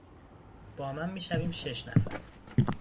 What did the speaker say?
با من میشویم شش نفر.